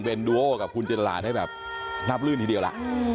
เป็นดูโอกับคุณจินตราได้แบบลาบลื่นทีเดียวล่ะ